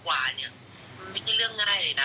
ไม่ใช่เรื่องง่ายเลยนะ